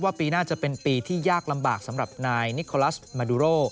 ปีหน้าจะเป็นปีที่ยากลำบากสำหรับนายนิโคลัสมาดูโร